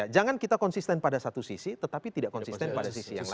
jangan kita konsisten pada satu sisi tetapi tidak konsisten pada sisi yang lain